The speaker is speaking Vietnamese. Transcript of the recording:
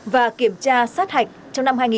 và kiểm tra sát hạch trong năm hai nghìn hai mươi